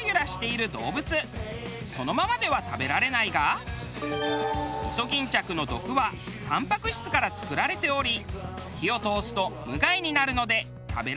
そのままでは食べられないがイソギンチャクの毒はたんぱく質から作られており火を通すと無害になるので食べられるものもあるのです。